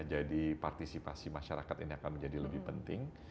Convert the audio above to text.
jadi partisipasi masyarakat ini akan menjadi lebih penting